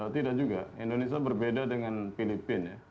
tidak juga indonesia berbeda dengan filipina